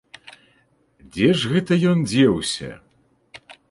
Дзе ж гэта ён дзеўся?